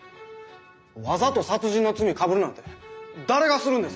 わざと殺人の罪かぶるなんて誰がするんですか。